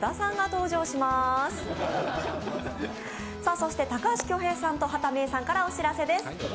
そして高橋恭平さんと畑芽育さんからお知らせです。